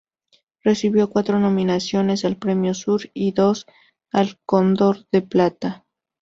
Recibió cuatro nominaciones al Premio Sur y dos al Cóndor de Plata.